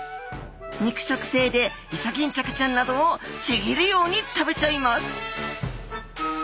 肉食性でイソギンチャクちゃんなどをちぎるように食べちゃいます